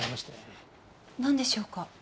なんでしょうか？